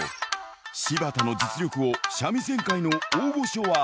柴田の実力を三味線界の大御所は。